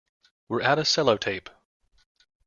We're out of sellotape.